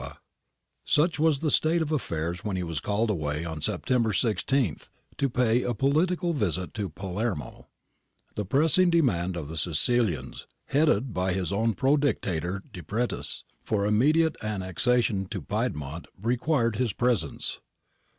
Benevenio 228 THE AFFAIR OF SEPTEMBER 19 229 Such was the state of affairs when he was called away on September 16 to pay a political visit to Palermo. The pressing demand of the Sicilians, headed by his own pro Dictator, Depretis, for immediate annexation to Piedmont, required his presence.